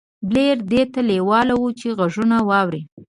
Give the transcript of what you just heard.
بليير دې ته لېوال و چې غږونه واوري.